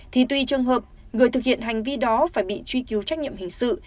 thì tuy trường hợp người thực hiện hành vi đó phải bị truy cứu trách nhiệm hình sự